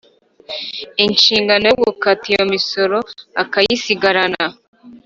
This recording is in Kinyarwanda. inshingano yo gukata iyo misoro akayisigarana